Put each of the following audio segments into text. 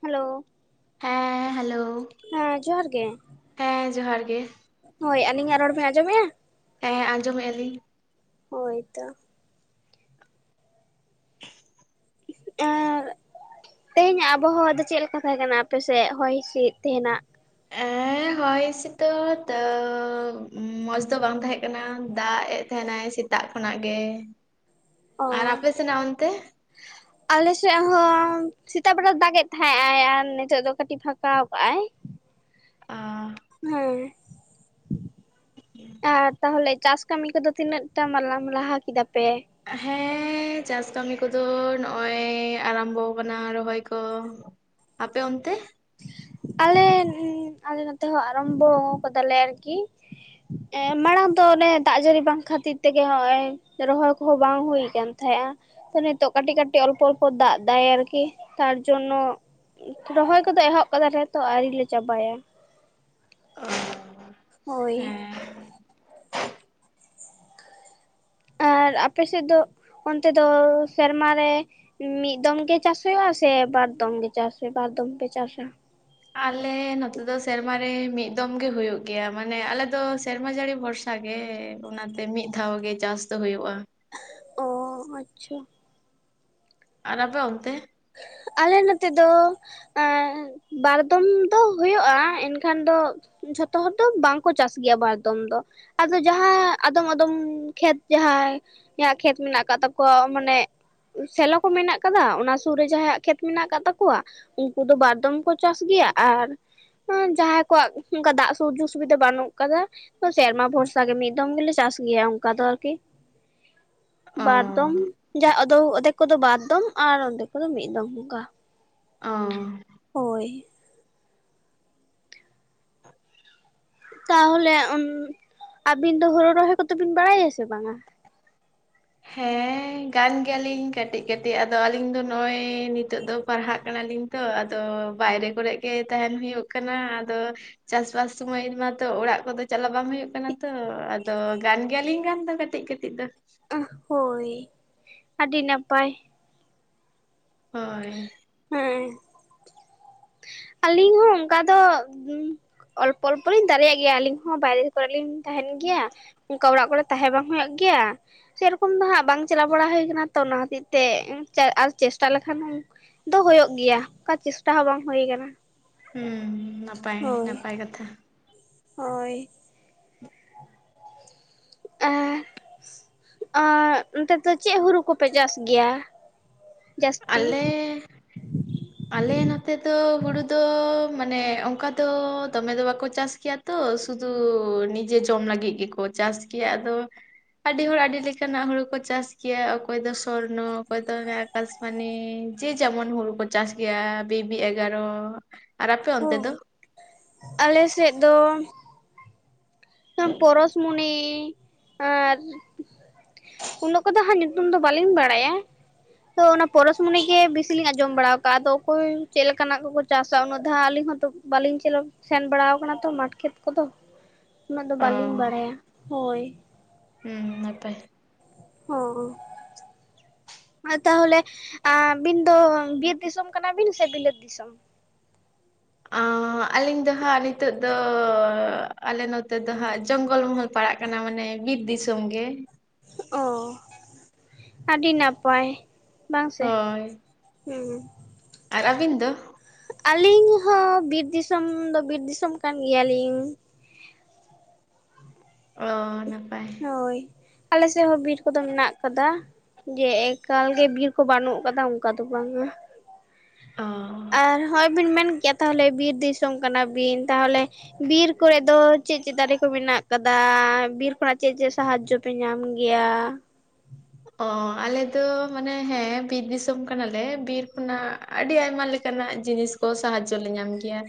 Hello ᱦᱮᱸ hello ᱦᱮᱸ ᱡᱚᱦᱟᱨ ᱜᱮ ᱦᱮᱸ ᱡᱚᱦᱟᱨ ᱜᱮ ᱦᱳᱭ ᱟᱹᱞᱤᱧᱟᱜ ᱨᱚᱲ ᱵᱮᱱ ᱟᱸᱡᱚᱢᱮᱫᱼᱟ ᱦᱮᱸ ᱦᱮᱸ ᱟᱡᱚᱢᱮᱜᱼᱟ ᱞᱤᱧ ᱦᱳᱭ ᱛᱚ [inaudible] ᱟᱨ ᱛᱮᱦᱮᱧ ᱟᱵᱚᱦᱚᱣᱟ ᱫᱚ ᱪᱮᱫ ᱞᱮᱠᱟ ᱛᱟᱦᱮᱸ ᱠᱟᱱᱟ ᱟᱯᱮᱥᱮᱫ ᱦᱚᱭ ᱦᱤᱸᱥᱤᱫ ᱛᱮᱦᱤᱱᱟᱜ ᱮ ᱦᱚᱭ ᱦᱤᱸᱥᱤᱫ ᱢᱚᱸᱡᱽ ᱫᱚ ᱵᱟᱝ ᱛᱟᱦᱮᱸ ᱠᱟᱱᱟ ᱫᱟᱜ ᱮᱫ ᱛᱟᱦᱮᱸᱱᱟᱭ ᱥᱤᱛᱩ ᱥᱮᱛᱟᱜ ᱠᱷᱚᱱᱟᱜ ᱜᱮ [inaudible] ᱟᱨ ᱟᱯᱮ ᱥᱮᱱᱟᱜ ᱚᱱᱛᱮ [inaudible] ᱟᱞᱮᱥᱮᱫ ᱦᱚᱸ ᱥᱮᱛᱟᱜ ᱵᱮᱲᱟ ᱫᱟᱜ ᱮᱫ ᱛᱟᱦᱮᱸᱫ ᱟᱭ ᱟᱨ ᱱᱤᱛᱚᱜ ᱫᱚ ᱠᱟᱹᱴᱤᱡ ᱯᱷᱟᱠᱟ ᱟᱠᱟᱣᱟᱭ ᱟᱨ ᱦᱮᱸ ᱴᱷᱤᱠ ᱜᱮᱭᱟ ᱟᱨ ᱛᱟᱦᱚᱞᱮ ᱪᱟᱥ ᱠᱟᱹᱢᱤ ᱠᱚᱫᱚ ᱛᱤᱱᱟ ᱴᱟᱜ [inaudible] ᱞᱟᱦᱟ ᱠᱮᱫᱟ ᱯᱮ ᱦᱮᱸ ᱪᱟᱥ ᱠᱟᱹᱢᱤ ᱠᱚᱫᱚ ᱱᱚᱜᱼᱚᱭ ᱟᱨᱚᱢᱵᱚ ᱟᱠᱟᱱᱟ ᱨᱚᱦᱚᱭ ᱠᱚ ᱟᱯᱮ ᱚᱱᱛᱮ ᱟᱞᱮ ᱟᱞᱮ ᱱᱚᱛᱮ ᱦᱚᱸ ᱟᱨᱟᱢᱵᱷᱚ ᱠᱟᱫᱟᱞᱮ ᱟᱨᱠᱤ ᱢᱟᱲᱟᱝ ᱫᱚ ᱚᱱᱮ ᱫᱟᱜ ᱡᱟᱹᱲᱤ ᱵᱟᱝ ᱠᱷᱟᱹᱛᱤᱨ ᱛᱮᱜᱮ ᱱᱚᱜᱼᱚᱭ ᱨᱚᱦᱚᱭ ᱠᱚᱦᱚᱸ ᱵᱟᱝ ᱦᱩᱭ ᱟᱠᱟᱱ ᱛᱟᱦᱮᱸᱫᱼᱟ ᱛᱚ ᱱᱤᱛᱚᱜ ᱠᱟᱹᱴᱤᱡ ᱠᱟᱹᱴᱤᱡ ᱚᱞᱯᱚ ᱚᱞᱯᱚ ᱫᱟᱜ ᱫᱟᱭ ᱟᱨᱠᱤ ᱛᱟᱨᱡᱚᱱ ᱨᱚᱦᱚᱭ ᱠᱚᱫᱚ ᱮᱦᱚᱵ ᱠᱟᱫᱟᱞᱮ ᱛᱚ ᱟᱣᱨᱤ ᱞᱮ ᱪᱟᱵᱟᱭᱟ [unintelligible] ᱦᱳᱭ ᱦᱮᱸ ᱟᱨ ᱟᱯᱮ ᱥᱮᱫ ᱫᱚ ᱚᱱᱛᱮ ᱫᱚ ᱥᱮᱨᱢᱟ ᱨᱮ ᱢᱤᱫ ᱫᱚᱢ ᱜᱮ ᱪᱟᱥ ᱦᱩᱭᱩᱜ ᱟ ᱥᱮ ᱵᱟᱨ ᱫᱚᱢ ᱜᱮ ᱪᱟᱥ ᱦᱩᱭᱩᱜᱼᱟ ᱵᱟᱨ ᱫᱚᱢ ᱯᱮ ᱪᱟᱥ-ᱟ᱾ ᱟᱞᱮ ᱱᱚᱛᱮ ᱫᱚ ᱥᱮᱨᱢᱟᱨᱮ ᱢᱤᱫ ᱫᱚᱢ ᱜᱮ ᱦᱩᱭᱩᱜ ᱜᱮᱭᱟ ᱢᱟᱱᱮ ᱟᱞᱮ ᱥᱮᱨᱢᱟ ᱡᱟᱹᱲᱤ ᱵᱷᱚᱨᱥᱟ ᱜᱮ ᱚᱱᱟᱛᱮ ᱢᱤᱫ ᱫᱷᱟᱣ ᱜᱮ ᱪᱟᱥ ᱫᱚ ᱦᱩᱭᱩᱜᱼᱟ᱾ ᱚ ᱟᱪᱪᱷᱟ ᱟᱨ ᱟᱯᱮ ᱚᱱᱛᱮ ᱟᱞᱮ ᱱᱚᱛᱮ ᱫᱚ ᱵᱟᱨ ᱫᱚᱢ ᱫᱚ ᱦᱩᱭᱩᱜᱼᱟ ᱮᱱᱠᱷᱟᱱ ᱫᱚ ᱡᱷᱚᱛᱚ ᱦᱚᱲ ᱫᱚ ᱵᱟᱝᱠᱚ ᱪᱟᱥ ᱜᱮᱭᱟ ᱵᱟᱨᱫᱚᱢ ᱫᱚ ᱟᱫᱚ ᱡᱟᱦᱟᱸ ᱟᱫᱚᱢ ᱟᱫᱚᱢ ᱠᱷᱮᱛ ᱡᱟᱦᱟᱸᱭ ᱠᱷᱮᱛ ᱢᱮᱱᱟᱜ ᱟᱠᱟᱫ ᱛᱟᱠᱚᱣᱟ ᱢᱟᱱᱮ ᱥᱮᱞᱚ ᱠᱚ ᱢᱮᱱᱟᱜ ᱠᱟᱫᱟ ᱚᱱᱟ ᱥᱩᱨ ᱨᱮ ᱡᱟᱦᱟᱸᱭᱟᱜ ᱠᱷᱮᱛ ᱢᱮᱱᱟᱜ ᱟᱠᱟᱫ ᱛᱟᱠᱚᱣᱟ ᱩᱱᱠᱩ ᱫᱚ ᱵᱟᱨᱫᱚᱢ ᱠᱚ ᱪᱟᱥ ᱜᱮᱭᱟ ᱟᱨ ᱡᱟᱦᱟᱸᱭ ᱠᱚᱣᱟᱜ ᱚᱱᱠᱟ ᱫᱟᱜ ᱥᱩᱡᱳᱜᱽ ᱥᱩᱵᱤᱫᱷᱟ ᱵᱟᱹᱱᱩᱜ ᱠᱟᱫᱟ ᱥᱮᱨᱢᱟ ᱵᱷᱚᱨᱥᱟ ᱜᱮ ᱢᱤᱫ ᱫᱚᱢ ᱜᱮᱞᱮ ᱪᱟᱥ ᱜᱮᱭᱟ ᱚᱱᱠᱟ ᱫᱚ ᱟᱨᱠᱤ ᱵᱟᱨ ᱚ ᱫᱚᱢ ᱚᱴ ᱚᱫᱷᱮᱠ ᱠᱚᱫᱚ ᱵᱟᱨ ᱫᱚᱢ ᱟᱨ ᱸᱰᱮ ᱠᱚᱫᱚ ᱢᱤᱫ ᱫᱚᱢ ᱚᱱᱠᱟ ᱚ ᱦᱳᱭ [unintelligible] ᱛᱟᱦᱚᱞᱮ ᱟᱹᱵᱤᱱ ᱫᱚ ᱦᱩᱲᱩ ᱨᱚᱦᱚᱭ ᱠᱚᱫᱚ ᱵᱤᱱ ᱵᱟᱲᱟᱭᱟ ᱥᱮ ᱵᱟᱝᱟ ᱦᱮᱸ ᱜᱟᱱ ᱜᱮᱭᱟᱞᱤᱧ ᱠᱟᱹᱴᱤᱡ ᱠᱟᱹᱴᱤᱡ ᱟᱫᱚ ᱟᱹᱞᱤᱧ ᱫᱚ ᱱᱚᱜᱼᱚᱭ ᱱᱤᱛᱚᱜ ᱫᱚ ᱯᱟᱲᱦᱟᱜ ᱠᱟᱱᱟᱞᱤᱧ ᱛᱚ ᱟᱫᱚ ᱵᱟᱭᱨᱮ ᱠᱚᱨᱮ ᱜᱮ ᱛᱟᱦᱮᱱ ᱦᱩᱭᱩᱜ ᱠᱟᱱᱟ ᱟᱫᱚ ᱪᱟᱥ ᱵᱟᱥ ᱥᱩᱢᱚᱭ ᱢᱟᱛᱚ ᱚᱲᱟᱜ ᱠᱚᱫᱚ ᱪᱟᱞᱟᱜ ᱵᱟᱝ ᱦᱩᱭᱩᱜ ᱠᱟᱱᱟ ᱛᱚ ᱟᱫᱚ ᱜᱟᱱ ᱜᱮᱭᱟᱞᱤᱧ ᱜᱟᱱ ᱫᱚ ᱠᱟᱹᱴᱤᱡ ᱠᱟᱹᱴᱤᱡ ᱫᱚ ᱦᱳᱭ ᱟᱹᱰᱤ ᱱᱟᱯᱟᱭ ᱦᱳᱭ ᱦᱮᱸ ᱟᱹᱞᱤᱧ ᱦᱚᱸ ᱚᱱᱠᱟ ᱫᱚ ᱚᱞᱯᱚ ᱚᱞᱯᱚ ᱞᱤᱧ ᱫᱟᱲᱮᱭᱟᱜ ᱜᱮᱭᱟ ᱟᱹᱞᱤᱧ ᱦᱚᱸ ᱵᱟᱭᱨᱮ ᱠᱚᱨᱮ ᱞᱤᱧ ᱛᱟᱦᱮᱱ ᱜᱮᱭᱟ ᱚᱱᱠᱟ ᱚᱲᱟᱜ ᱠᱚᱨᱮᱜ ᱛᱟᱦᱮᱸ ᱵᱟᱝ ᱦᱩᱭᱩᱜ ᱜᱮᱭᱟ ᱥᱮᱨᱚᱠᱚᱢ ᱫᱚ ᱦᱟᱸᱜ ᱵᱟᱝ ᱪᱟᱞᱟᱣ ᱵᱟᱲᱟ ᱦᱩᱭ ᱠᱟᱱᱟ ᱛᱚ ᱚᱱᱟ ᱦᱚᱛᱮ ᱛᱮ ᱟᱨ ᱪᱮᱥᱴᱟ ᱞᱮᱠᱷᱟᱱ ᱫᱚ ᱦᱳᱭ ᱜᱮᱭᱟ ᱚᱱᱠᱟ ᱪᱮᱥᱴᱟ ᱦᱚᱸ ᱵᱟᱝ ᱦᱩᱭᱩᱜ ᱟᱠᱟᱱᱟ᱾ ᱦᱮ ᱱᱟᱯᱟᱭ ᱱᱟᱯᱟᱭ ᱠᱟᱛᱷᱟ ᱦᱳᱭ ᱟᱨ ᱟᱨ ᱚᱱᱛᱮ ᱫᱚ ᱪᱮᱫ ᱦᱩᱲᱩ ᱠᱚᱯᱮ ᱪᱟᱥ ᱜᱮᱭᱟ ᱡᱟᱹᱥᱛᱤ? ᱟᱞᱮ ᱟᱞᱮ ᱱᱚᱛᱮ ᱫᱚ ᱦᱩᱲᱩ ᱫᱚ ᱢᱟᱱᱮ ᱚᱱᱠᱟ ᱫᱚ ᱫᱚᱢᱮ ᱫᱚ ᱵᱟᱠᱚ ᱪᱟᱥ ᱜᱮᱭᱟ ᱛᱚ ᱥᱩᱫᱷᱩ ᱱᱤᱡᱮ ᱡᱚᱢ ᱞᱟᱹᱜᱤᱫ ᱜᱮᱠᱚ ᱪᱟᱥ ᱜᱮᱭᱟ ᱟᱫᱚ ᱟᱹᱰᱤ ᱦᱚᱲ ᱟᱹᱰᱤ ᱞᱮᱠᱟᱱᱟᱜ ᱦᱩᱲᱩ ᱠᱚ ᱪᱟᱥ ᱜᱮᱭᱟ ᱚᱠᱚᱭ ᱫᱚ ᱥᱚᱨᱱᱚ ᱚᱠᱚᱭ ᱫᱚ ᱠᱟᱥᱢᱟᱱᱤ ᱡᱮ ᱡᱮᱢᱚᱱ ᱦᱩᱲᱩ ᱠᱚ ᱪᱟᱥ ᱜᱮᱭᱟ ᱵᱤᱵᱤ ᱮᱜᱟᱨᱚ ᱟᱨ ᱟᱯᱮ ᱚᱱᱛᱮ ᱦᱳᱭ ᱫᱚ ᱟᱞᱮ ᱥᱮᱫ ᱫᱚ ᱯᱚᱨᱚᱥᱢᱩᱱᱤ ᱟᱨ ᱩᱱᱟᱹᱜ ᱠᱚᱫᱚ ᱦᱟᱸᱜ ᱧᱩᱛᱩᱢ ᱫᱚ ᱵᱟᱹᱞᱤᱧ ᱵᱟᱲᱟᱭᱟ ᱛᱚ ᱚᱱᱟ ᱯᱚᱨᱚᱥᱢᱩᱱᱤ ᱜᱮ ᱵᱤᱥ ᱞᱤᱧ ᱟᱸᱡᱚᱢ ᱵᱟᱲᱟ ᱟᱠᱟᱫᱼᱟ ᱟᱫᱚ ᱚᱠᱚᱭ ᱪᱮᱫ ᱞᱮᱠᱟᱱᱟᱜ ᱠᱚᱠᱚ ᱪᱟᱥᱟ ᱩᱱᱟᱹᱜ ᱫᱷᱟᱣ ᱟᱞᱤᱧ ᱦᱚᱸᱛᱚ ᱵᱟᱹᱞᱤᱧ ᱥᱮᱱ ᱵᱟᱲᱟᱣ ᱟᱠᱟᱱᱟ ᱛᱚ ᱢᱟᱴᱷ ᱠᱷᱮᱛ ᱠᱚᱫᱚ ᱩᱱᱟᱹᱜ ᱫᱚ ᱚ ᱵᱟᱹᱞᱤᱧ ᱵᱟᱲᱟᱭᱟ ᱦᱳᱭ ᱦᱩᱸ ᱱᱟᱯᱟᱭ ᱚ ᱛᱟᱦᱚᱞᱮ ᱟᱹᱵᱤᱱ ᱫᱚ ᱵᱤᱨ ᱫᱤᱥᱚᱢ ᱠᱟᱱᱟ ᱵᱤᱱ ᱥᱮ ᱵᱤᱞᱟᱹᱛ ᱫᱤᱥᱚᱢ ᱟᱹᱞᱤᱧ ᱫᱚ ᱦᱟᱸᱜ ᱱᱤᱛᱚᱜ ᱫᱚ ᱟᱞᱮ ᱱᱚᱛᱮ ᱫᱚ ᱦᱟᱸᱜ ᱡᱚᱝᱜᱚᱞ ᱢᱚᱦᱚᱞ ᱯᱟᱲᱟᱜ ᱠᱟᱱᱟ ᱢᱟᱱᱮ ᱵᱤᱨ ᱫᱤᱥᱚᱢ ᱜᱮ ᱚ ᱟᱹᱰᱤ ᱱᱟᱯᱟᱭ ᱵᱟᱝ ᱥᱮ ᱦᱳᱭ ᱦᱮᱸ ᱟᱨ ᱟᱵᱤᱱ ᱫᱚ ᱟᱹᱞᱤᱧ ᱦᱚᱸ ᱵᱤᱨ ᱫᱤᱥᱚᱢ ᱫᱚ ᱵᱤᱨ ᱫᱤᱥᱚᱢ ᱠᱟᱱ ᱜᱮᱭᱟᱞᱤᱧ ᱚ ᱱᱟᱯᱟᱭ ᱦᱳᱭ ᱟᱞᱮ ᱥᱮᱫ ᱦᱚᱸ ᱵᱤᱨ ᱠᱚᱫᱚ ᱢᱮᱱᱟᱜ ᱠᱟᱫᱟ ᱡᱮ ᱮᱠᱟᱞ ᱜᱮ ᱵᱤᱨ ᱠᱚ ᱵᱟᱹᱱᱩᱜ ᱟᱠᱟᱫᱟ ᱚᱱᱠᱟ ᱫᱚ ᱵᱟᱝ-ᱟ ᱚ ᱟᱨ ᱦᱚᱸᱜᱼᱚᱭ ᱵᱤᱱ ᱢᱮᱱ ᱠᱮᱜᱼᱟ ᱛᱟᱦᱚᱞᱮ ᱵᱤᱨ ᱫᱤᱥᱚᱢ ᱠᱟᱱᱟ ᱵᱤᱱ ᱛᱟᱦᱚᱞᱮ ᱵᱤᱨ ᱠᱚᱨᱮ ᱫᱚ ᱪᱮᱫ ᱪᱮᱫ ᱫᱟᱨᱮ ᱠᱚ ᱢᱮᱱᱟᱜ ᱠᱟᱫᱟ ᱵᱤᱨ ᱠᱷᱚᱱᱟᱜ ᱪᱮᱫ ᱪᱮᱫ ᱥᱟᱦᱟᱡᱡᱚ ᱯᱮ ᱧᱟᱢ ᱜᱮᱭᱟ᱾ ᱚ ᱟᱞᱮ ᱫᱚ ᱢᱟᱱᱮ ᱦᱮᱸ ᱵᱤᱨ ᱫᱤᱥᱚᱢ ᱠᱟᱱᱟᱞᱮ ᱵᱤᱨ ᱠᱷᱚᱱᱟᱜ ᱟᱹᱰᱤ ᱟᱭᱢᱟ ᱞᱮᱠᱟᱱᱟᱜ ᱡᱤᱱᱤᱥ ᱠᱚ ᱥᱟᱦᱟᱡᱽᱡᱚ ᱞᱮ ᱧᱟᱢ ᱜᱮᱭᱟ᱾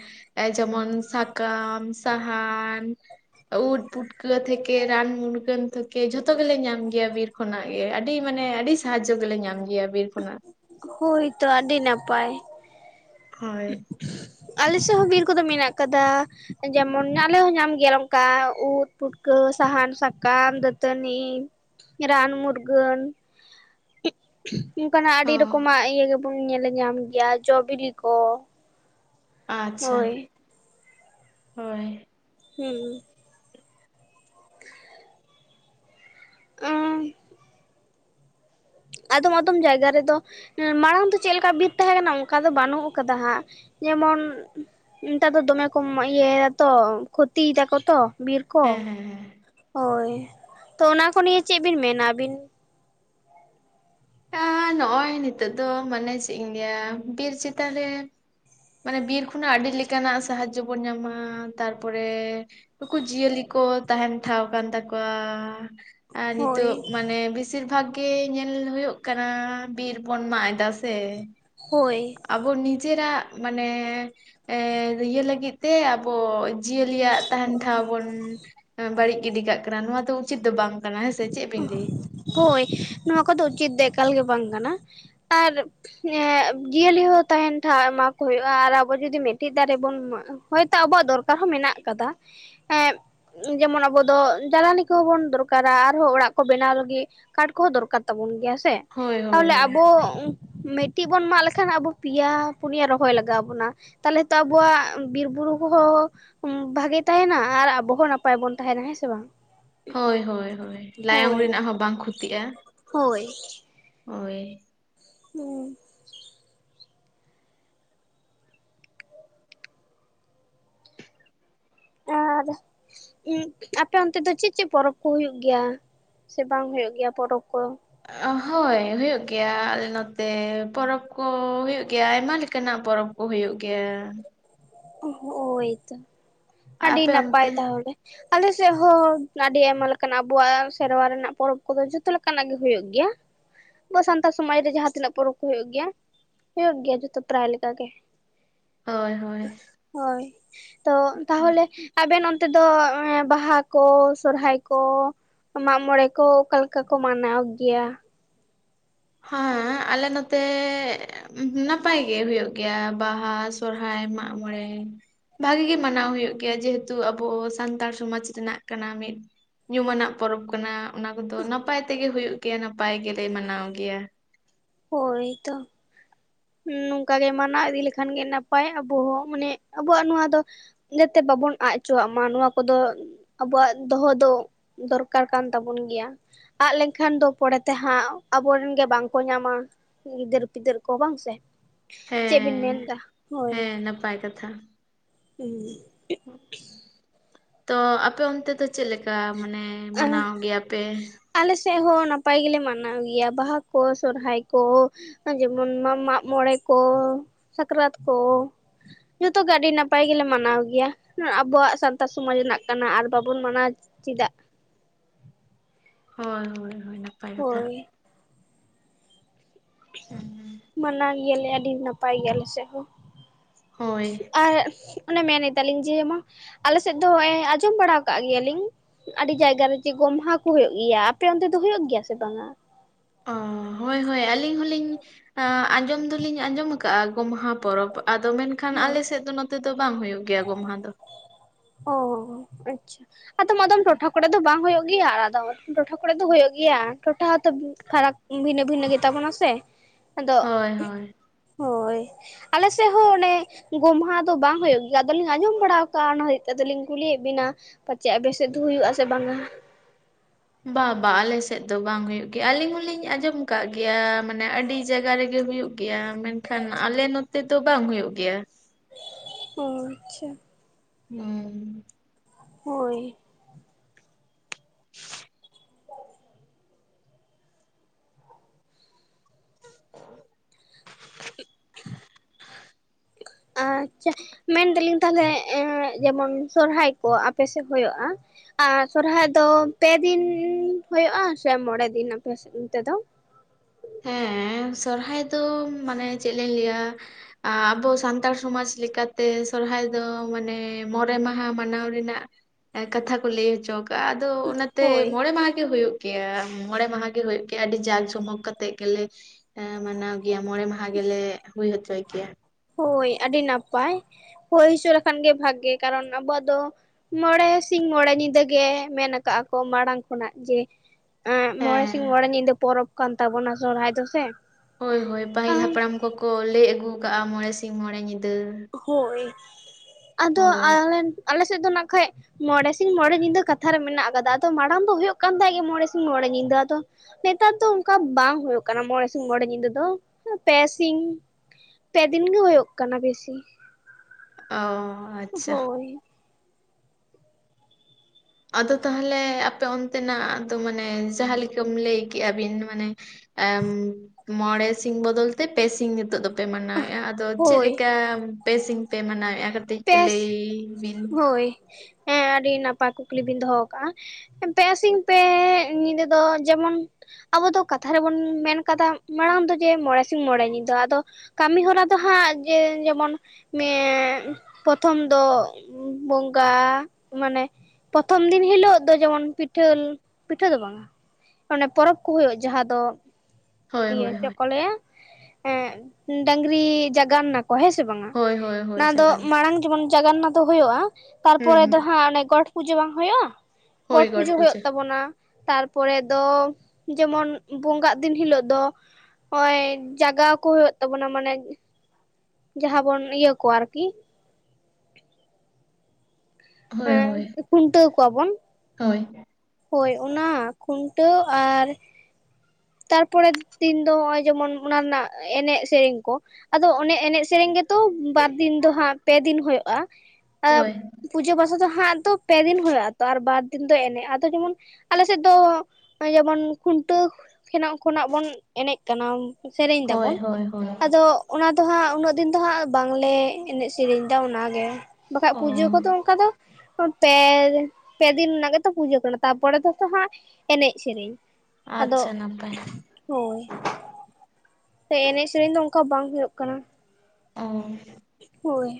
ᱮ ᱡᱮᱢᱚᱱ ᱥᱟᱠᱟᱢ ᱥᱟᱦᱟᱱ ᱩᱴ ᱯᱩᱴᱠᱟᱹ ᱛᱷᱮᱠᱮ ᱨᱟᱱ ᱢᱩᱨᱜᱟᱹᱱ ᱛᱷᱮᱠᱮ ᱡᱚᱛᱚ ᱜᱮᱞᱮ ᱧᱟᱢ ᱜᱮᱭᱟ ᱵᱤᱨ ᱠᱷᱚᱱᱟᱜ᱾ ᱟᱹᱰᱤ ᱢᱟᱱᱮ ᱟᱹᱰᱤ ᱥᱟᱦᱟᱡᱡᱚ ᱜᱮᱞᱮ ᱧᱟᱢ ᱜᱮᱭᱟ ᱵᱤᱨ ᱠᱷᱚᱱᱟᱜ ᱦᱳᱭᱛᱚ ᱟᱹᱰᱤ ᱱᱟᱯᱟᱭ ᱦᱳᱭ ᱟᱞᱮ ᱥᱮᱫ ᱦᱚᱸ ᱵᱤᱨ ᱠᱚᱫᱚ ᱢᱮᱱᱟᱜ ᱟᱠᱟᱫᱟ᱾ ᱡᱮᱢᱚᱱ ᱟᱞᱮ ᱦᱚᱸ ᱧᱟᱢ ᱜᱮᱭᱟ ᱱᱚᱝᱠᱟ ᱩᱫ ᱯᱷᱩᱴᱠᱟᱹ ᱥᱟᱦᱟᱱ ᱥᱟᱠᱟᱢ ᱫᱟᱹᱛᱟᱹᱱᱤ ᱨᱟᱱ ᱢᱩᱨᱜᱟᱹᱱ ᱚᱱᱠᱟᱱᱟᱜ ᱟᱹᱰᱤ ᱚ ᱨᱚᱠᱚᱢᱟᱜ ᱤᱭᱟᱹ ᱜᱮᱵᱚᱱ ᱧᱮᱞ ᱧᱟᱢ ᱜᱮᱭᱟ ᱡᱚ ᱵᱤᱞᱤ ᱠᱚ ᱟᱪᱪᱷᱟ ᱦᱳᱭ ᱦᱳᱭ ᱦᱮᱸ ᱚ ᱟᱫᱚᱢ ᱟᱫᱚᱢ ᱡᱟᱭᱜᱟ ᱨᱮᱫᱚ ᱢᱟᱲᱟᱝ ᱫᱚ ᱪᱮᱫᱞᱮᱠᱟ ᱵᱤᱨ ᱛᱟᱦᱮᱸ ᱠᱟᱱᱟ ᱚᱱᱠᱟ ᱫᱚ ᱵᱟᱹᱱᱩᱜ ᱟᱠᱟᱫᱟ ᱦᱟᱸᱜ᱾ ᱡᱮᱢᱚᱱ ᱱᱮᱛᱟᱨ ᱫᱚ ᱫᱚᱢᱮ ᱠᱚ ᱤᱭᱟᱹ ᱫᱟᱛᱚ ᱠᱷᱚᱛᱤᱭ ᱫᱟᱠᱚ ᱛᱚ᱾ ᱵᱤᱨ ᱠᱚ ᱦᱮᱸ ᱦᱮᱸ ᱦᱮᱸ ᱦᱳᱭ ᱛᱚ ᱚᱱᱟᱠᱚ ᱱᱤᱭᱟᱹ ᱪᱮᱫ ᱵᱤᱱ ᱢᱮᱱᱟ ᱟᱹᱵᱤᱱ ᱮ ᱱᱚᱜᱼᱚᱭ ᱱᱤᱛᱳ ᱫᱚ ᱢᱟᱱᱮ ᱪᱮᱫ ᱤᱧ ᱜᱮᱭᱟ ᱵᱤᱨ ᱪᱮᱛᱟᱱ ᱨᱮ ᱢᱟᱱᱮ ᱵᱤᱨ ᱠᱷᱚᱱᱟᱜ ᱟᱹᱰᱤ ᱞᱮᱠᱟᱱᱟᱜ ᱥᱟᱦᱟᱡᱡᱚ ᱵᱚᱱ ᱧᱟᱢᱟ ᱛᱟᱨᱯᱚ ᱨᱮ ᱱᱩᱠᱩ ᱡᱤᱭᱟᱹᱞᱤ ᱠᱚ ᱛᱟᱦᱮᱱ ᱴᱷᱟᱶ ᱠᱟᱱ ᱛᱟᱠᱚᱣᱟ ᱟᱨ ᱦᱳᱭ ᱱᱤᱛᱚᱜ ᱢᱟᱱᱮ ᱵᱮᱥᱤᱨ ᱵᱷᱟᱜᱽ ᱜᱮ ᱧᱮᱞ ᱦᱩᱭᱩᱜ ᱠᱟᱱᱟ ᱵᱤᱨ ᱵᱚᱱ ᱢᱟᱭᱫᱟ ᱥᱮ ᱦᱳᱭ ᱟᱵᱚ ᱱᱤᱡᱮᱨᱟᱜ ᱢᱟᱱᱮ ᱤᱭᱟᱹ ᱞᱟᱹᱜᱤᱫ ᱛᱮ ᱟᱵᱚ᱾ ᱡᱤᱭᱟᱹᱞᱤᱭᱟᱜ ᱛᱟᱦᱮᱱ ᱴᱷᱟᱶ ᱵᱚᱱ ᱵᱟᱹᱲᱤᱡ ᱜᱤᱰᱤ ᱠᱟᱜ ᱠᱟᱱᱟ ᱱᱚᱣᱟ ᱫᱚ ᱩᱪᱤᱛ ᱫᱚ ᱵᱟᱝ ᱠᱟᱱᱟ ᱦᱮᱸ ᱥᱮ ᱪᱮᱫ ᱵᱮᱤᱱ ᱞᱟᱹᱭ᱾ ᱦᱳᱭ ᱱᱚᱣᱟ ᱠᱚᱫᱚ ᱩᱪᱤᱛ ᱫᱚ ᱮᱠᱟᱞ ᱜᱮ ᱵᱟᱝ ᱠᱟᱱᱟ ᱟᱨ᱾ ᱮ ᱡᱤᱭᱟᱹᱞᱤ ᱦᱚᱸ ᱛᱟᱦᱮᱱ ᱴᱷᱟ ᱮᱢᱟ ᱠᱚ ᱦᱩᱭᱩᱜᱼᱟ ᱟᱨ ᱟᱵᱚ ᱡᱩᱚᱫᱤ ᱢᱤᱫᱴᱤᱡ ᱫᱟᱨᱮ ᱵᱩᱱ ᱦᱳᱭᱛᱚ ᱟᱵᱚᱣᱟᱜ ᱫᱚᱨᱠᱟᱨ ᱦᱚᱸ ᱢᱮᱱᱟᱜ ᱟᱠᱟᱫᱟ ᱦᱮᱸ ᱡᱮᱢᱚᱱ ᱟᱵᱚ ᱫᱚ ᱡᱟᱞᱟᱱᱤ ᱠᱚᱵᱚᱱ ᱫᱚᱨᱠᱟᱨ ᱫᱚᱠᱟᱨᱟ ᱟᱨᱦᱚᱸ ᱚᱲᱟᱜ ᱠᱚ ᱵᱮᱱᱟᱣ ᱞᱟᱹᱜᱤᱫ ᱠᱟᱴ ᱠᱚᱦᱚᱸ ᱫᱚᱨᱠᱟᱨ ᱛᱟᱵᱚᱱ ᱜᱮᱭᱟ ᱥᱮ ᱦᱳᱭ ᱦᱳᱭ ᱛᱟᱦᱚᱞᱮ ᱦᱳᱭ ᱟᱵᱚ᱾ ᱢᱤᱫᱴᱤᱡ ᱵᱚᱱ ᱢᱟᱜ ᱞᱮᱠᱷᱟᱱ ᱟᱵᱚ ᱯᱮᱭᱟ ᱯᱩᱱᱭᱟ ᱨᱚᱦᱚᱭ ᱞᱟᱜᱟᱣ ᱵᱚᱱᱟ᱾ ᱛᱟᱦᱚᱞᱮ ᱛᱚ ᱟᱵᱚᱣᱟᱜ ᱵᱤᱨᱵᱩᱨᱩ ᱠᱚᱦᱚᱸ᱾ ᱵᱷᱟᱜᱮ ᱛᱟᱦᱮᱱᱟ ᱟᱨ ᱟᱵᱚ ᱦᱚᱸ ᱱᱟᱯᱟᱭ ᱵᱚᱱ ᱛᱟᱦᱮᱱᱟ ᱦᱮᱸ ᱥᱮ ᱵᱟᱝ᱾ ᱦᱳᱭ ᱦᱳᱭ ᱦᱳᱭ ᱞᱟᱭᱚᱝ ᱦᱳᱭ ᱨᱮᱱᱟᱜ ᱦᱚᱸ ᱵᱟᱝ ᱠᱷᱚᱛᱤᱜᱼᱟ ᱦᱳᱭ ᱦᱳᱭ ᱦᱮᱸ ᱦᱮ ᱟᱫᱚ [unintelligible] ᱟᱯᱮ ᱚᱱᱛᱮ ᱫᱚ ᱪᱮᱫ ᱪᱮᱫ ᱯᱚᱨᱚᱵᱽ ᱠᱚ ᱦᱩᱭᱩᱜᱳᱜ ᱜᱮᱭᱟ ᱥᱮ ᱵᱟᱝ ᱦᱳᱳᱜ ᱜᱮᱭᱟ ᱯᱚᱨᱚᱵᱽ ᱠᱚ᱾ ᱦᱳᱭ ᱦᱩᱭᱩᱜ ᱜᱮᱭᱟ ᱟᱞᱮ ᱱᱚᱛᱮ ᱯᱚᱨᱚᱵᱽ ᱠᱚ ᱦᱩᱭᱩᱜ ᱜᱮᱭᱟ ᱟᱭᱢᱟ ᱞᱮᱠᱟᱱᱟᱜ ᱯᱚᱨᱚᱵᱽ ᱠᱚ ᱦᱩᱭᱩᱜ ᱜᱮᱭᱟ ᱳᱭ ᱟᱨ ᱟᱹᱰᱤ ᱟᱯᱮ ᱱᱟᱯᱟᱭ ᱚᱱᱛᱮ ᱛᱟᱦᱚᱞᱮ ᱟᱞᱮᱥᱮᱫ ᱦᱚᱸ ᱟᱹᱰᱤ ᱟᱭᱢᱟ ᱞᱮᱠᱟᱱᱟᱜ ᱟᱵᱩᱣᱟᱜ ᱥᱮᱨᱣᱟ ᱨᱮᱱᱟᱜ ᱯᱚᱨᱚᱵᱽ ᱠᱚᱫᱚ ᱡᱚᱛᱚ ᱞᱮᱠᱟᱱᱟᱜ ᱜᱮ ᱦ ᱦᱩᱭᱩᱜ ᱜᱮᱭᱟ᱾ ᱟᱵᱚ ᱥᱟᱱᱛᱟᱲ ᱥᱚᱢᱟᱡᱽ ᱨᱮ ᱡᱟᱦᱟᱸ ᱛᱤᱱᱟᱹᱜ ᱯᱚᱨᱚᱵᱽ ᱠᱚ ᱦᱩᱭᱩᱜ ᱜᱮᱭᱟ ᱦᱩᱭᱩᱜ ᱜᱮᱭᱟ ᱡᱚᱛᱚ ᱯᱨᱟᱭᱞᱮᱠᱟ ᱜᱮ᱾ ᱦᱳᱭ ᱦᱳᱭ ᱦᱳᱭ ᱛᱚ ᱛᱟᱦᱚᱞᱮ ᱟᱵᱮᱱ ᱚᱱᱛᱮ ᱫᱚ ᱵᱟᱦᱟ ᱠᱚ ᱥᱚᱨᱦᱟᱭ ᱠᱚ᱾ ᱢᱟᱜ ᱢᱚᱬᱮ ᱠᱚ ᱚᱠᱟᱞᱮᱠᱟ ᱠᱚ ᱢᱟᱱᱟᱣ ᱜᱮᱭᱟ᱾ ᱦᱮᱸ ᱟᱞᱮ ᱱᱚᱛᱮ ᱱᱟᱯᱟᱭ ᱜᱮ ᱦᱩᱭᱩᱜ ᱜᱮᱭᱟ ᱵᱟᱦᱟ ᱥᱚᱨᱦᱟᱭ ᱢᱟᱜᱢᱚᱬᱮ᱾ ᱵᱷᱟᱜᱤ ᱜᱮ ᱢᱟᱱᱟᱣ ᱦᱩᱭᱩᱜ ᱜᱮᱭᱟ ᱡᱮᱦᱮᱛᱩ ᱟᱵᱚ ᱥᱟᱱᱛᱟᱲ ᱥᱚᱢᱟᱡᱽ ᱨᱮᱱᱟᱜ ᱠᱟᱱᱟ ᱢᱤᱫ᱾ ᱧᱩᱢᱟᱱᱟᱜ ᱯᱚᱨᱚᱵᱽ ᱠᱟᱱᱟ, ᱚᱱᱟ ᱠᱚᱫᱚ ᱱᱟᱯᱟᱭ ᱛᱮᱜᱮ ᱦᱩᱭᱩᱜ ᱜᱮᱭᱟ ᱱᱟᱯᱟᱭ ᱜᱮᱞᱮ ᱢᱟᱱᱟᱣ ᱜᱮᱭᱟ᱾ ᱦᱳᱭ ᱛᱚ ᱱᱚᱝᱠᱟᱜᱮ ᱢᱟᱱᱟᱣ ᱤᱫᱤ ᱞᱮᱠᱷᱟᱱᱜᱮ ᱱᱟᱯᱟᱭ ᱟᱵᱚᱦᱚ ᱢᱟᱱᱮ ᱟᱵᱚᱣᱟᱜ ᱱᱚᱣᱟ ᱫᱚ ᱡᱟᱛᱮ ᱵᱟᱵᱚᱱ ᱟᱜ ᱦᱚᱪᱚᱣᱟᱜ ᱢᱟ ᱱᱚᱣᱟ ᱠᱚᱫᱚ ᱟᱵᱚᱣᱟᱜ ᱫᱚᱦᱚ ᱫᱚ ᱫᱚᱨᱠᱟᱨ ᱠᱟᱱ ᱛᱟᱵᱚᱱ ᱜᱮᱭᱟ᱾ ᱟᱜ ᱞᱮᱱᱠᱷᱟᱱ ᱫᱚ ᱯᱚᱨᱮᱛᱮ ᱦᱟᱸᱜ, ᱟᱵᱚᱨᱮᱱ ᱜᱮ ᱵᱟᱝᱠᱚ ᱧᱟᱢᱟ, ᱜᱤᱫᱟᱹᱨ ᱯᱤᱫᱟᱹᱨ ᱠᱚ ᱵᱟᱝ ᱥᱮ? ᱪᱮᱫ ᱵᱤᱱ ᱦᱮᱸ ᱢᱮᱱᱫᱟ ᱦᱳᱭ᱾ ᱦᱮᱸ ᱱᱟᱯᱟᱭ ᱠᱟᱛᱷᱟ᱾ ᱦᱮᱸᱻ᱾ ᱛᱚ ᱟᱯᱮ ᱚᱱᱛᱮ ᱫᱚ ᱪᱮᱜᱮᱠᱟ ᱢᱟᱱᱮ? ᱟᱨ ᱢᱟᱱᱟᱣ [unintelligible] ᱜᱮᱭᱟᱯᱮ ᱟᱞ ᱥᱮᱜ ᱦᱚᱸ ᱱᱟᱯᱟᱭ ᱜᱮᱞᱮ ᱢᱟᱱᱟᱣ ᱜᱮᱭᱟ ᱵᱟᱦᱟ ᱠᱚ, ᱥᱚᱨᱦᱟᱭ ᱠᱚ᱾ ᱡᱮᱢᱚᱱ ᱢᱟᱜ ᱢᱚᱬᱮ ᱠᱚ ᱥᱟᱠᱨᱟᱛ ᱠᱚ᱾ ᱡᱚᱛᱚ ᱜᱮ ᱟᱹᱰᱤ ᱱᱟᱯᱟᱭ ᱜᱮᱞᱮ ᱢᱟᱱᱟᱣ ᱜᱮᱭᱟ᱾ ᱟᱵᱚᱣᱟᱜ ᱥᱟᱱᱛᱟᱲ ᱥᱚᱢᱟᱡᱽ ᱨᱮᱱᱟᱜ ᱠᱟᱱᱟ, ᱟᱨ ᱵᱟᱵᱚᱱ ᱢᱟᱱᱟᱣ ᱪᱤᱫᱟᱜ? ᱦᱳᱭᱻ ᱦᱳᱭᱻ᱾ ᱦᱳᱭᱻ᱾ ᱢᱟᱱᱟᱣ ᱜᱮᱭᱟᱞᱮ ᱟᱹᱰᱤ ᱱᱟᱯᱟᱭ ᱜᱮ ᱟᱞᱮ ᱥᱮᱜ ᱦᱚᱸ᱾ ᱦᱳᱭ ᱟᱨ ᱚᱱᱮ ᱢᱮᱱᱮ ᱫᱟᱞᱤᱧ ᱡᱮ ᱢᱟ, ᱟᱞᱮ ᱥᱮᱫ ᱫᱚ ᱟᱸᱡᱚᱢ ᱵᱟᱲᱟ ᱠᱟᱜ ᱜᱮᱭᱟᱞᱤᱧ? ᱟᱹᱰᱤ ᱡᱟᱭᱜᱟ ᱨᱮ ᱡᱮ ᱜᱚᱢᱦᱟ ᱠᱚ ᱦᱳᱭᱳᱜ ᱜᱮᱭᱟ, ᱟᱯᱮ ᱚᱱᱛᱮ ᱫᱚ ᱦᱳᱭᱳᱜ ᱜᱮᱭᱟ ᱥᱮ ᱵᱟᱝᱟ? ᱚ ᱦᱳᱭ-ᱦᱳᱭ ᱟᱹᱞᱤᱧ ᱦᱚᱞᱤᱧ ᱟᱸᱡᱚᱢ ᱫᱚᱞᱤᱧ ᱟᱸᱡᱚᱢ ᱠᱟᱜᱼᱟ ᱜᱚᱢᱦᱟ ᱯᱚᱨᱚᱵᱽ ᱟᱫᱚ ᱢᱮᱱ ᱠᱷᱟᱱ ᱦᱳᱭ ᱟᱞᱮ ᱥᱮᱫ ᱫᱚ ᱱᱚᱛᱮ ᱫᱚ ᱵᱟᱝ ᱦᱳᱭᱳᱜ ᱜᱮᱭᱟ ᱜᱚᱢᱦᱟ ᱫᱚ᱾ ᱚ ᱟᱪᱪᱷᱟ ᱟᱫᱚᱢ ᱟᱫᱚᱢ ᱴᱚᱴᱷᱟ ᱠᱚᱨᱮ ᱫᱚ ᱵᱟᱝ ᱦᱳᱭᱳᱜ ᱜᱮᱭᱟ, ᱟᱫᱚ ᱴᱚᱴᱷᱟ ᱠᱚᱨᱮ ᱫᱚ ᱦᱳᱭᱳᱜ ᱜᱮᱭᱟ᱾ ᱴᱚᱴᱷᱟ ᱦᱚᱸᱛᱚ ᱯᱷᱟᱨᱟᱠ ᱵᱷᱤᱱᱟᱹ ᱵᱷᱤᱱᱟᱹ ᱜᱮᱛᱟ ᱵᱚᱱᱟ ᱥᱮ᱾ ᱟᱫᱚ ᱦᱳᱭ ᱦᱳᱭ ᱦᱳᱭ ᱟᱞᱮ ᱥᱮᱫ ᱦᱚᱸ, ᱚᱱᱮ ᱜᱚᱢᱦᱟ ᱫᱚ ᱵᱟᱝ ᱦᱭᱳᱜ ᱜᱮᱭᱟ᱾ ᱟᱫᱚᱞᱤᱧ ᱟᱸᱡᱚᱢ ᱵᱟᱲᱟ ᱠᱟᱜᱼᱟ, ᱚᱱᱟ ᱦᱳᱭᱳᱜ ᱛᱮ ᱟᱫᱚᱞᱤᱧ ᱠᱩᱞᱤᱭᱮᱫ ᱵᱤᱱᱟ ᱯᱟᱪᱮ ᱟᱯᱮᱥᱮᱫ ᱫᱚ ᱦᱩᱭᱩᱜᱼᱟᱥᱮ ᱵᱟᱝᱟ? ᱵᱟ ᱵᱟᱝ ᱟᱞᱮᱥᱮᱫ ᱫᱚ ᱵᱟᱝ ᱦᱳᱭᱳᱜ ᱜᱮᱭᱟ᱾ ᱟᱹᱞᱤᱧ ᱦᱚᱞᱤᱧ ᱟᱸᱡᱚᱢ ᱠᱟᱜ ᱜᱮᱭᱟ᱾ ᱢᱟᱱᱮ ᱟᱹᱰᱤ ᱡᱟᱭᱜᱟ ᱨᱮᱜᱮ ᱦᱳᱭᱩᱜ ᱜᱮᱭᱟ, ᱢᱮᱱᱠᱷᱟᱱ ᱟᱞᱮ ᱱᱚᱛᱮ ᱫᱚ ᱵᱟᱝ ᱦᱳᱭᱳᱜ ᱜᱮᱭᱟ᱾ ᱚ ᱟᱪᱪᱷᱟ᱾ ᱦᱮᱸᱻ᱾ ᱦᱳᱭ᱾ [inaudible] [inaudible] ᱟᱪᱪᱷᱟ ᱢᱮᱱᱫᱟᱞᱤᱧ ᱛᱟᱦᱟᱞᱮ ᱡᱮᱢᱚᱱ ᱥᱚᱨᱦᱨᱟᱭ ᱠᱚ ᱟᱯᱮ ᱥᱮᱫ ᱦᱳᱭᱳᱜᱼᱟ? ᱟᱨ ᱥᱚᱨᱦᱟᱭ ᱫᱚ ᱯᱮ ᱫᱤᱱ ᱦᱳᱭᱳᱜᱼᱟ ᱥᱮ ᱢᱚᱬᱮ ᱫᱤᱱ ᱟᱯᱮ ᱚᱱᱛᱮ ᱫᱚ? ᱦᱮᱸ ᱥᱚᱨᱦᱟᱭ ᱫᱚ ᱢᱟᱱᱮ ᱪᱮᱫ ᱞᱤᱧ ᱞᱟᱹᱭᱟ ᱟᱵᱚ ᱥᱟᱱᱛᱟᱲ ᱥᱚᱢᱟᱡᱽ ᱞᱮᱠᱟᱛᱮ ᱥᱚᱨᱦᱟᱭ ᱫᱚ ᱢᱟᱱᱮ ᱢᱚᱬᱮ ᱢᱟᱦᱟ ᱢᱟᱱᱟᱣ ᱨᱮᱱᱟᱜ ᱮ ᱠᱟᱛᱷᱟ ᱠᱚ ᱞᱟᱹᱭ ᱦᱚᱪᱚ ᱠᱟᱜᱼᱟ᱾ ᱟᱫᱚ ᱚᱱᱟᱛᱮ ᱦᱳᱭ ᱢᱚᱬᱮ ᱢᱟᱦᱟ ᱜᱮ ᱦᱳᱭᱳᱜ ᱜᱮᱭᱟ᱾ ᱢᱚᱬᱮ ᱢᱟᱦᱟ ᱜᱮ ᱦᱳᱭᱳᱜ ᱜᱮᱭᱟ ᱟᱹᱰᱤ ᱡᱟᱸᱠ ᱡᱚᱢᱚᱠ ᱠᱟᱛᱮᱜ᱾ ᱛᱮᱜ ᱜᱮᱞᱮ ᱢᱟᱱᱟᱣ ᱜᱮᱭᱟ ᱢᱚᱬᱮ ᱢᱟᱦᱟ ᱜᱮᱞᱮ ᱦᱳᱭ ᱦᱚᱪᱚᱭ ᱜᱮᱭᱟ᱾ ᱦᱳᱭ ᱟᱹᱰᱤ ᱱᱟᱯᱟᱭ, ᱦᱳᱭ ᱦᱚᱪᱚ ᱞᱮᱠᱷᱟᱱ ᱜᱮ ᱵᱷᱟᱜᱮ ᱠᱟᱨᱚᱱ ᱟᱵᱚᱣᱟᱜ ᱫᱚ ᱢᱚᱬᱮ ᱥᱤᱧ ᱢᱚᱬᱮ ᱧᱤᱫᱟᱹ ᱜᱮ ᱢᱮᱱ ᱟᱠᱟᱜᱼᱟᱠᱚ ᱢᱟᱲᱟᱝ ᱠᱷᱚᱱᱟᱜ ᱡᱮ ᱢᱚᱬᱮ ᱦᱮᱸ ᱥᱤᱧ ᱢᱚᱬᱮ ᱧᱤᱫᱟᱹ ᱯᱚᱨᱚᱵᱽ ᱠᱟᱱ ᱛᱟᱵᱚᱱᱟ ᱥᱚᱨᱦᱟᱭ ᱫᱚ ᱥᱮ᱾ ᱦᱳᱭ ᱦᱳᱭ ᱯᱟᱹᱦᱤᱞ ᱦᱟᱯᱲᱟᱢ ᱠᱚ ᱠᱚ ᱞᱟᱹᱭ ᱟᱹᱜᱩ ᱠᱟᱜᱼᱟ ᱢᱚᱬᱮ ᱥᱤᱧ ᱢᱚᱬᱮ ᱧᱤᱫᱟᱹ᱾ ᱦᱳᱭ ᱟᱫᱚ ᱦᱳᱭ ᱟᱞᱮ ᱥᱮᱫ ᱫᱚ ᱱᱟᱜ ᱠᱷᱟᱱᱡ ᱢᱚᱬᱮ ᱥᱤᱧ ᱢᱚᱬᱮ ᱧᱤᱫᱟᱹ ᱠᱟᱛᱷᱟ ᱨᱮ ᱢᱮᱱᱟᱜ ᱠᱟᱫᱟ᱾ ᱟᱫᱚ ᱢᱟᱲᱟᱝ ᱫᱚ ᱦᱳᱭᱳᱜ ᱠᱟᱱ ᱛᱟᱦᱮᱸ ᱜᱮ ᱢᱚᱬᱮ ᱥᱤᱧ ᱢᱚᱬᱮ ᱧᱤᱫᱟᱹ ᱟᱫᱚ ᱱᱮᱛᱟᱨ ᱫᱚ ᱚᱱᱠᱟ ᱵᱟᱝ ᱦᱳᱭᱳᱜ ᱠᱟᱱᱟ, ᱢᱚᱬᱮ ᱥᱤᱧ ᱢᱚᱬᱮ ᱧᱤᱫᱟᱹ ᱫᱚ᱾ ᱯᱮ ᱥᱤᱧ ᱯᱮ ᱫᱤᱱ ᱜᱮ ᱦᱩᱭᱩᱜ ᱠᱟᱱᱟ ᱵᱮᱥᱤ ᱚ ᱟᱪᱪᱷᱟ ᱦᱳᱭ ᱟᱫᱚ ᱛᱟᱦᱚᱞᱮ ᱟᱯᱮ ᱚᱱᱛᱮᱱᱟᱜ ᱥᱫᱚ ᱢᱟᱱᱮ ᱡᱟᱦᱟᱸ ᱞᱮᱠᱟᱢ ᱞᱟᱹᱭ ᱠᱮᱜᱼᱟ ᱵᱤᱱ ᱢᱟᱱᱮ ᱮ ᱢᱚᱬᱮ ᱥᱤᱧ ᱵᱚᱫᱚᱞ ᱛᱮ ᱯᱮ ᱥᱤᱧ ᱱᱤᱛᱚᱜ ᱫᱚᱯᱮ ᱢᱟᱱᱟᱣ ᱮᱫ-ᱟ ᱟᱫᱚ ᱪᱮᱫ ᱦᱳᱭ ᱞᱮᱠᱟ ᱯᱮ ᱥᱤᱧ ᱯᱮ ᱢᱟᱱᱟᱣᱮᱫᱼᱟ ᱠᱟᱹᱴᱤᱡ ᱯᱮ ᱞᱟᱹᱭ ᱵᱤᱱ ᱦᱳᱭ ᱦᱮᱸ ᱟᱹᱰᱤ ᱱᱟᱯᱟᱭ ᱠᱩᱠᱞᱤ ᱵᱤᱱ ᱫᱚᱦᱚ ᱟᱠᱟᱫᱼᱟ ᱯᱮ ᱥᱤᱧ ᱯᱮ ᱧᱤᱫᱟᱹ ᱫᱚ ᱡᱮᱢᱚᱱ ᱟᱵᱚ ᱫᱚ ᱠᱟᱛᱷᱟ ᱨᱮᱵᱚᱱ ᱢᱮᱱ ᱟᱠᱟᱫᱟ ᱢᱟᱲᱟᱝ ᱫᱚ ᱡᱮ ᱢᱚᱬᱮ ᱥᱤᱧ ᱢᱚᱬᱮ ᱧᱤᱫᱟᱹ ᱟᱫᱚ ᱠᱟᱹᱢᱤ ᱦᱚᱨᱟ ᱫᱚ ᱦᱟᱸᱜ ᱡᱮ ᱡᱮᱢᱚᱱ ᱯᱨᱚᱛᱷᱚᱢ ᱫᱚ ᱵᱚᱸᱜᱟ ᱢᱟᱱᱮ ᱯᱨᱚᱛᱷᱚᱢ ᱫᱤᱱ ᱦᱤᱞᱳᱜ ᱫᱚ ᱡᱮᱢᱚᱱ ᱯᱤᱴᱷᱟᱹ, ᱯᱤᱴᱷᱟᱹ ᱫᱚ ᱵᱟᱝᱟ ᱚᱱᱮ ᱯᱚᱨᱚᱵᱽ ᱠᱚ ᱦᱩᱭᱩᱜᱼᱟ ᱡᱟᱦᱟᱸ ᱫᱚ ᱦᱳᱭ ᱤᱭᱟᱹ ᱦᱳᱭ ᱪᱮᱫ ᱦᱳᱭ ᱠᱚ ᱞᱟᱹᱭᱟ ᱮ ᱰᱟᱝᱨᱤ ᱡᱟᱜᱟᱱᱱᱟ ᱠᱚᱣᱟ ᱦᱮᱸ ᱥᱮ ᱵᱟᱝᱟ ᱦᱳᱭ ᱦᱳᱭ ᱦᱳᱭ ᱚᱱᱟ ᱫᱚ ᱥᱟᱜᱟᱱ ᱢᱟᱲᱟᱝ ᱡᱮᱢᱚᱱ ᱡᱟᱜᱟᱱᱱᱟ ᱫᱚ ᱦᱩᱭᱩᱜᱼᱟ ᱦᱩᱸ ᱛᱟᱨᱯᱚᱨᱮ ᱫᱚ ᱦᱩᱸ ᱦᱟᱸᱜ ᱚᱱᱮ ᱜᱚᱴ ᱯᱩᱡᱟᱹ ᱵᱟᱝ ᱦᱩᱭᱩᱜᱼᱟ ᱜᱚᱴ ᱯᱩᱡᱟᱹ ᱦᱩᱭᱩᱜ ᱛᱟᱵᱚᱱᱟ ᱛᱟᱨᱯᱚᱨᱮ ᱫᱚ ᱡᱮᱢᱚᱱ ᱵᱚᱸᱜᱟᱜ ᱫᱤᱱ ᱦᱤᱞᱳᱜ ᱫᱚ ᱫᱚ ᱱᱚᱜ-ᱚᱭ ᱡᱟᱜᱟᱣ ᱠᱚ ᱦᱩᱭᱩᱜ ᱛᱟᱵᱚᱱᱟ ᱢᱟᱱᱮ ᱡᱟᱦᱟᱸ ᱵᱚᱱ ᱤᱭᱟᱹ ᱠᱚᱣᱟ ᱟᱨᱠᱤ ᱦᱳᱭ ᱦᱳᱭ ᱠᱷᱩᱱᱴᱟᱹᱣ ᱠᱚᱣᱟ ᱵᱚᱱ ᱦᱳᱭ ᱦᱳᱭ ᱚᱱᱟ ᱠᱷᱩᱱᱴᱟᱹᱣ ᱟᱨ ᱛᱟᱨᱯᱚᱨᱮᱨ ᱫᱤᱱ ᱫᱚ ᱱᱚᱜ-ᱚᱭ ᱡᱮᱢᱚᱱ ᱚᱱᱟ ᱨᱮᱱᱟᱜ ᱮᱱᱮᱡ ᱥᱮᱨᱮᱧ ᱠᱚ ᱟᱫᱚ ᱚᱱᱮ ᱮᱱᱮᱡ ᱥᱮᱨᱮᱧ ᱜᱮ ᱛᱚ ᱵᱟᱨ ᱫᱤᱱ ᱫᱚ ᱦᱟᱸᱜ ᱯᱮ ᱫᱤᱱ ᱦᱩᱭᱩᱜᱼᱟ ᱟᱨ ᱦᱳᱭ ᱯᱩᱡᱟᱹ ᱯᱟᱥᱟ ᱫᱚ ᱦᱟᱸᱜ ᱯᱮ ᱫᱤᱱ ᱦᱩᱭᱩᱜ ᱟᱛᱚ ᱵᱟᱨ ᱫᱤᱱ ᱫᱚ ᱮᱱᱮᱡ ᱟᱫᱚ ᱡᱮᱢᱚᱱ ᱟᱞᱮ ᱥᱮᱫ ᱫᱚ ᱱᱚᱜ-ᱚᱭ ᱡᱮᱢᱚᱱ ᱠᱷᱩᱱᱴᱟᱹᱣ ᱠᱷᱚᱱᱟᱜ ᱵᱚᱱ ᱮᱱᱮᱡ ᱠᱟᱱᱟ ᱥᱮᱨᱮᱧ ᱮᱫᱟᱵᱚᱱ ᱟᱫᱚ ᱚᱱᱟ ᱫᱚ ᱦᱟᱸᱜ ᱩᱱᱟᱹᱜ ᱫᱤᱱ ᱫᱚ ᱦᱟᱸᱜ ᱵᱟᱝᱞᱮ ᱮᱱᱮᱡ ᱥᱮᱨᱮᱧ ᱮᱫᱟ ᱚᱱᱟ ᱜᱮ ᱵᱟᱠᱷᱟᱡ ᱚ ᱯᱩᱡᱟᱹ ᱠᱚᱫᱚ ᱚᱱᱠᱟ ᱫᱚ ᱯᱮ, ᱯᱮ ᱫᱤᱱ ᱨᱮᱱᱟᱜ ᱜᱮᱛᱚ ᱯᱩᱡᱟᱹ ᱠᱟᱱᱟ ᱛᱟᱨᱯᱚᱨᱮ ᱫᱚᱛᱚ ᱦᱟᱸᱜ ᱮᱱᱮᱡ ᱥᱮᱨᱮᱧ ᱟᱫᱚ ᱟᱪᱪᱷᱟ ᱱᱟᱯᱟᱭ ᱦᱳᱭ ᱮᱱᱮ ᱥᱮᱨᱮᱧ ᱫᱚ ᱚᱱᱠᱟ ᱵᱟᱝ ᱦᱩᱭᱩᱜ ᱠᱟᱱᱟ᱾ ᱚ ᱦᱳᱭ